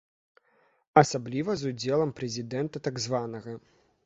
Асабліва з удзелам прэзідэнта так званага.